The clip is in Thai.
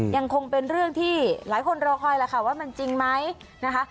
ยังคงเป็นเรื่องที่หลายคนรอคอยแหละค่ะว่ามันจริงไหมนะคะ